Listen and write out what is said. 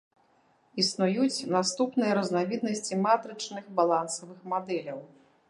Існуюць наступныя разнавіднасці матрычных балансавых мадэляў.